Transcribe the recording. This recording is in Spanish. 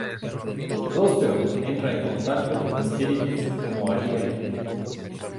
Próspero entra en contacto con espíritus como Ariel.